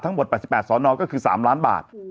ทั้งหมด๘๘ศนก็คือ๓ล้านบาท